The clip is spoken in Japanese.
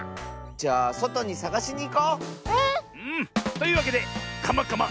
じゃあそとにさがしにいこう！ね！というわけで「カマカマ！